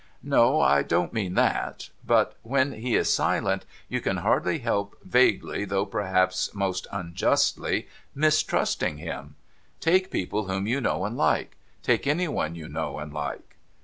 * No, and I don't mean that. But when is he silent, you can hardly help vaguely, though perhaps most unjustly, mistrusting him. Take people whom you know and like. Take any one you know and like.'